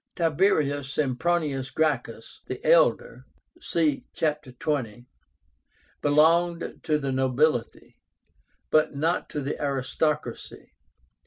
Tiberius Sempronius Gracchus the elder (see Chapter XX.) belonged to the nobility, but not to the aristocracy.